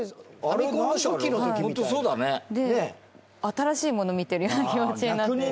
賀喜：新しいもの見てるような気持ちになって。